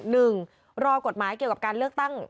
รอกฎหมายเกี่ยวกับการเลือกตั้ง